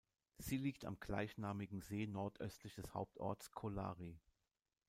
Sie liegt am gleichnamigen See nordöstlich des Hauptorts Kolari.